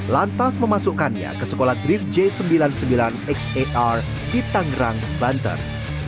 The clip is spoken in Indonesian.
lantas memasukkannya ke sekolah drift j sembilan puluh sembilan xar di tangerang banten